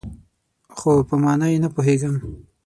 خو، په مانا یې نه پوهیږم